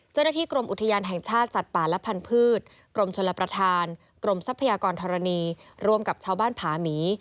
เจ้าหน้าที่กรมอุทยานแห่งชาติสัตว์ป่าและพันธุ์กรมชลประธานกรมทรัพยากรธรณีรวมกับชาวบ้านผาหมี